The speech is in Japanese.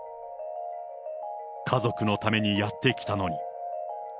家族のためにやってきたのに。